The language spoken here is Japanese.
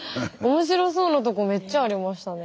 面白そうなとこめっちゃありましたね。